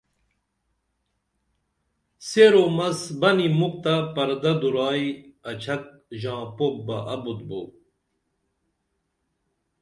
سیر و مس بنی مُکھ تہ پردہ دورائی اچھک ژاں پوپ بہ ابُت بو